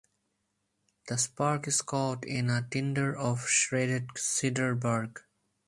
The spark is caught in a tinder of shredded cedar bark.